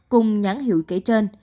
cùng nhãn hiệu kể trên